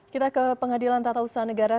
kita ke pengadilan tata usaha negara